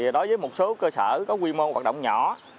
đối với một số cơ sở có quy mô hoạt động nhỏ